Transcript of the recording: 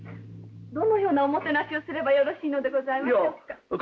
どのようなおもてなしをすればよろしいのでございましょうか。